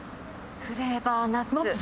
フレーバーナッツ。